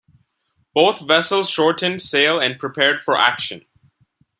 Both vessels shortened sail and prepared for action.